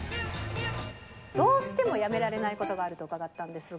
どうしてもやめられないことがあると伺ったんですが。